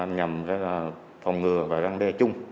nhằm phòng ngừa và răng đe chung